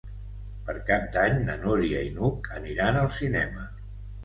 Per Cap d'Any na Núria i n'Hug aniran al cinema.